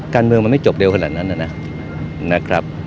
การเมืองมันไม่จบเร็วขนาดนั้นนะครับ